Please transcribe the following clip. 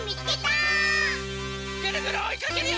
ぐるぐるおいかけるよ！